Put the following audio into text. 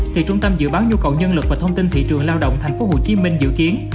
thì trung tâm dự báo nhu cầu nhân lực và thông tin thị trường lao động tp hcm dự kiến